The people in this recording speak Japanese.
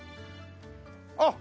あっ！